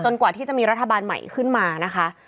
แล้วรัฐบาลใหม่ขึ้นมานะคะ